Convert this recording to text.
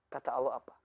kata allah apa